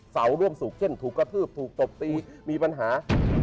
เสาร่วมสุขเช่นถูกกระทืบถูกตบตีมีปัญหา